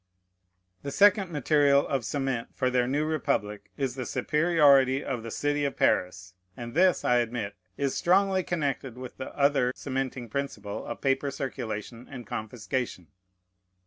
The second material of cement for their new republic is the superiority of the city of Paris; and this, I admit, is strongly connected with the other cementing principle of paper circulation and confiscation.